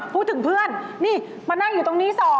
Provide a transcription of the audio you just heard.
เพื่อนนี่มานั่งอยู่ตรงนี้๒